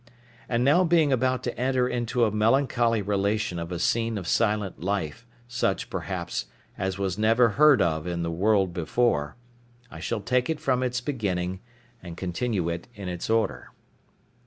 And now being about to enter into a melancholy relation of a scene of silent life, such, perhaps, as was never heard of in the world before, I shall take it from its beginning, and continue it in its order.